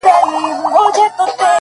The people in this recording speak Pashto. کلونه کيږي چي ولاړه يې روانه نه يې ـ